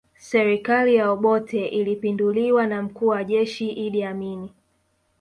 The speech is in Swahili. Serikali ya Obote ilipinduliwa na mkuu wa jeshi Idi Amini